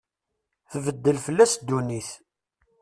Tbeddel fell-as ddunit.